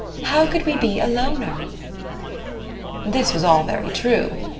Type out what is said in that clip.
How could we be aloner?" This was all very true.